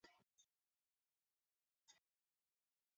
内藤如安就是松永长赖与内藤国贞的女儿所生的儿子。